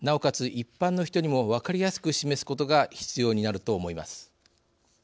一般の人にも分かりやすく示すことが必要になると思います。